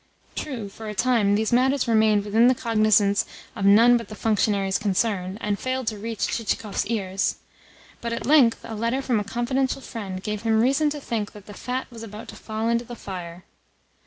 True, for a time these matters remained within the cognisance of none but the functionaries concerned, and failed to reach Chichikov's ears; but at length a letter from a confidential friend gave him reason to think that the fat was about to fall into the fire.